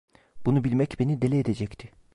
Bunu bilmek beni deli edecekti.